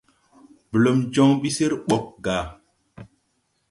Blum jɔŋ ɓi sír ɓɔg gà.